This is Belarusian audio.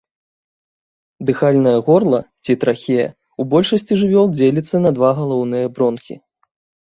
Дыхальнае горла, ці трахея, у большасці жывёл дзеліцца на два галоўныя бронхі.